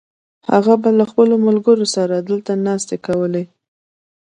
هغه به له خپلو ملګرو سره دلته ناستې کولې.